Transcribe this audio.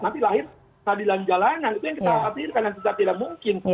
nanti lahir keadilan jalanan itu yang kita khawatir karena tidak mungkin